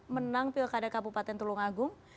menang pilkada kabupaten tulung agung